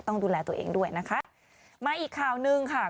ต้องดูแลตัวเองด้วยนะคะมาอีกข่าวหนึ่งค่ะ